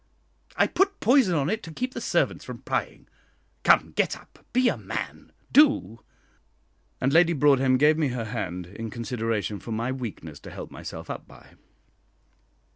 I put 'poison' on it to keep the servants from prying. Come, get up, be a man do," and Lady Broadhem gave me her hand, in consideration for my weakness to help myself up by.